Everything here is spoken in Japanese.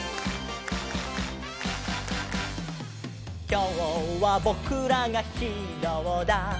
「きょうはぼくらがヒーローだ！」